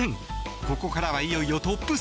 ここからは、いよいよトップ３。